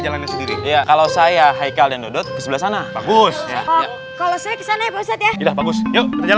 kalau saya hai kalian duduk sebelah sana bagus ya